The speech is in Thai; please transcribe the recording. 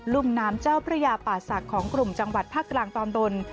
ุ่มน้ำเจ้าพระยาป่าศักดิ์ของกลุ่มจังหวัดภาคกลางตอนบน